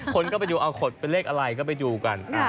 คนก็ไปดูเอาขดเป็นเลขอะไรก็ไปดูกัน